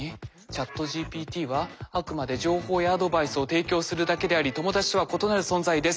「ＣｈａｔＧＰＴはあくまで情報やアドバイスを提供するだけであり友達とは異なる存在です。